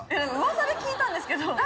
ウワサで聞いたんですけど。